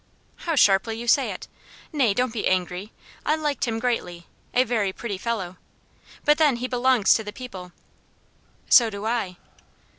"How sharply you say it! Nay, don't be angry. I liked him greatly. A very pretty fellow. But then he belongs to the people." "So do I."